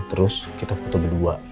terus kita foto berdua